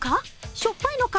しょっぱいのか？